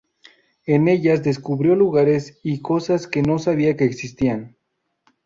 En ellas descubrirá lugares y cosas que no sabía que existían.